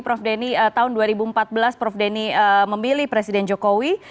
prof denny tahun dua ribu empat belas prof denny memilih presiden jokowi